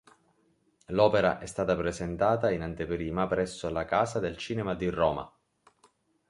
L'opera è stata presentata in anteprima presso la Casa del cinema di Roma.